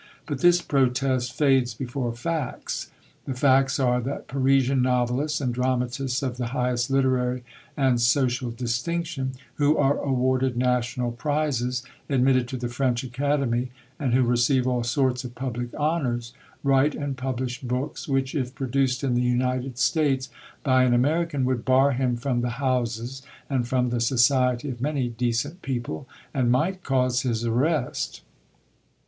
But this protest fades before facts. The facts are that Parisian novelists and dramatists of the highest literary and social distinction, who are awarded national prizes, admitted to the French Academy, and who receive all sorts of public honours, write and publish books, which, if produced in the United States by an American, would bar him from the houses and from the society of many decent people, and might cause his arrest.